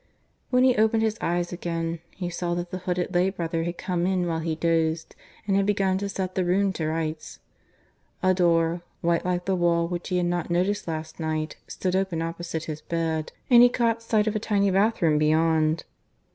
... When he opened his eyes again, he saw that the hooded lay brother had come in while he dozed, and had begun to set the room to rights. A door, white like the wall, which he had not noticed last night, stood open opposite his bed, and he caught sight of a tiny bathroom beyond.